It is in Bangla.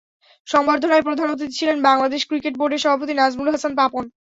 সংবর্ধনায় প্রধান অতিথি ছিলেন বাংলাদেশ ক্রিকেট বোর্ডের সভাপতি নাজমুল হাসান পাপন।